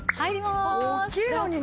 大きいのにね。